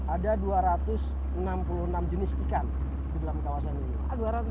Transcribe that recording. ada dua ratus enam puluh enam jenis ikan di dalam kawasan ini